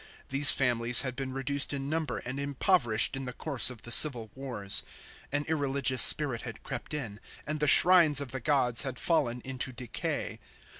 These families had been reduced in number and impoverished in the course of the civil wars ; an irreligious spirit had crept in ; and the shrines of the gods had fallen into decay.